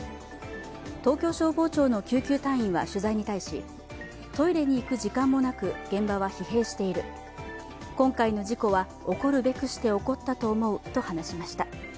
東京消防庁の救急隊員は取材に対しトイレに行く時間もなく現場は疲弊している、今回の事故は起こるべくして起こったと思うと話しました。